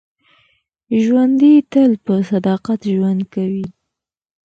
ژوندي تل په صداقت ژوند کوي